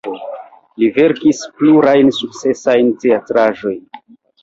Li verkis plurajn sukcesajn teatraĵojn.